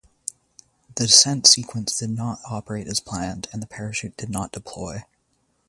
The descent sequence did not operate as planned and the parachute did not deploy.